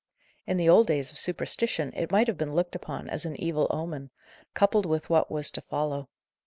In the old days of superstition it might have been looked upon as an evil omen, coupled with what was to follow.